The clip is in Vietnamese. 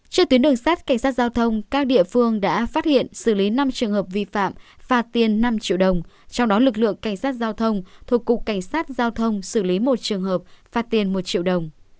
trên tuyến đường sát cảnh sát giao thông các địa phương đã phát hiện xử lý năm trường hợp vi phạm phạt tiền năm triệu đồng trong đó lực lượng cảnh sát giao thông thuộc cục cảnh sát giao thông xử lý một trường hợp phạt tiền một triệu đồng